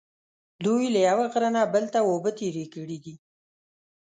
دوی له یوه غره نه بل ته اوبه تېرې کړې دي.